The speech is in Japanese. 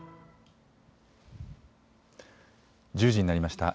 １０時になりました。